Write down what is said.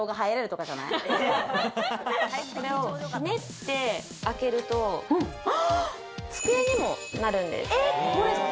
これをひねって開けると、机にもなるんです。